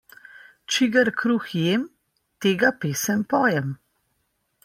Čigar kruh jem, tega pesem pojem.